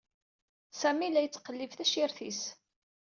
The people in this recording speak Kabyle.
Sami la yettqellib tacirt-is.